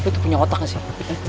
eh lo itu punya otak gak sih